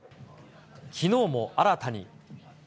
きのうも新たに。